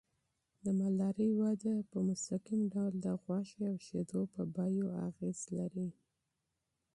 د مالدارۍ وده په مستقیم ډول د غوښې او شیدو په بیو اغېز لري.